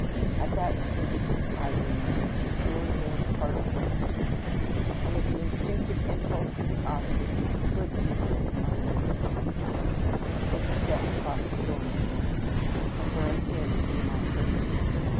At that instant I re membered Sister O Neil s parting words to me, and, with the instinc tive impulse of the ostrich, slid deeper in my little bed. A quick step crossed the dormitory. A firm hand drew my curtain.